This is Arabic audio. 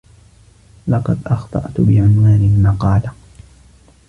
لقد اخطأت بعنوان المقالة